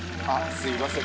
すいません。